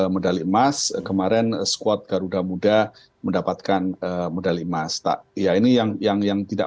medali emas kemarin skuad garuda muda mendapatkan medali emas tak ya ini yang yang tidak